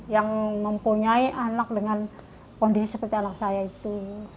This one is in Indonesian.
yang mempunyai anak dengan kondisi seperti anak saya itu